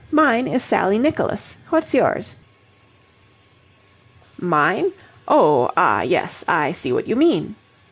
Mine is Sally Nicholas. What's yours?" "Mine? Oh, ah, yes, I see what you mean."